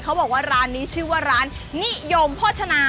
เขาบอกว่าร้านนี้ชื่อว่าร้านนิยมโภชนา